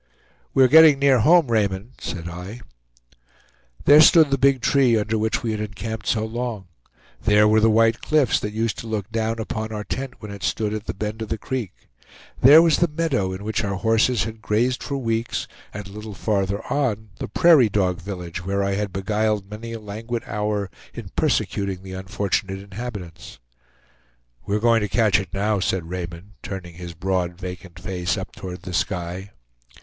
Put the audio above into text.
"We are getting near home, Raymond," said I. There stood the Big Tree under which we had encamped so long; there were the white cliffs that used to look down upon our tent when it stood at the bend of the creek; there was the meadow in which our horses had grazed for weeks, and a little farther on, the prairie dog village where I had beguiled many a languid hour in persecuting the unfortunate inhabitants. "We are going to catch it now," said Raymond, turning his broad, vacant face up toward the sky.